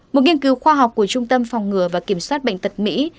một nghiên cứu khoa học của trung tâm phòng ngừa và kiểm soát bệnh tật mỹ